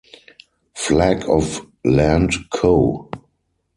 Flag of Land Co.